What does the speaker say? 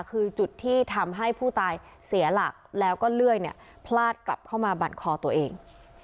คือจุดที่ทำให้ผู้ตายเสียหลักแล้วก็เลื่อยพลาดกลับเข้ามาบั่นคอตัวเอง